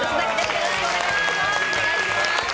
よろしくお願いします。